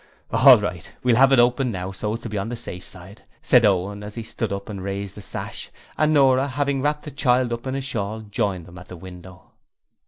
'All right, we'll have it open now, so as to be on the safe side,' said Owen as he stood up and raised the sash, and Nora, having wrapped the child up in a shawl, joined them at the window.